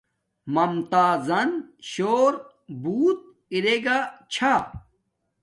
ممتݳزَن شݸر بُݸت اِرݵگݳ چھݳ.